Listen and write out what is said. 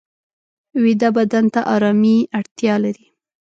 ویده بدن ته آرامي اړتیا لري